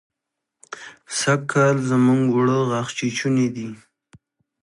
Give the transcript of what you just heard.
سرکال زموږ اوړه غاښ چيچوني دي.